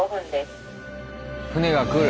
あ船が来る。